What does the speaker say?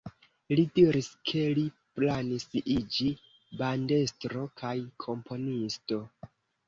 Li diris, ke li planis iĝi bandestro kaj komponisto.